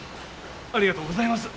ありがとうございます！